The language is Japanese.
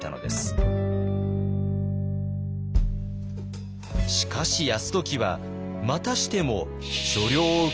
しかし泰時はまたしても所領を受け取ることを拒否。